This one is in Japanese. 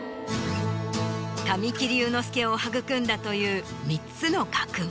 神木隆之介を育んだという３つの家訓。